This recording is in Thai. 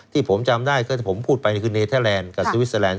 ที่ผมจำได้ผมพูดไปนี่คือเนเธอร์แลนด์กับซิวิสเตอร์แลนด์